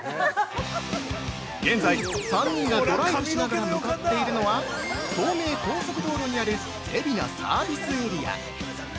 ◆現在、３人がドライブしながら向かっているのは、東名高速道路にある「海老名サービスエリア」。